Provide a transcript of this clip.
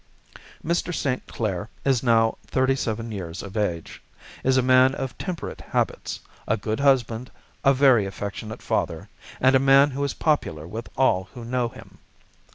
Mr. St. Clair is now thirty seven years of age, is a man of temperate habits, a good husband, a very affectionate father, and a man who is popular with all who know him.